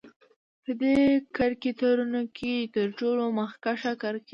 په دې کرکترونو کې تر ټولو مخکښ کرکتر